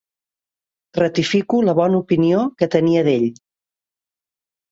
Ratifico la bona opinió que tenia d'ell.